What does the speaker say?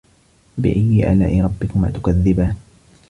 فَبِأَيِّ آلاءِ رَبِّكُما تُكَذِّبانِ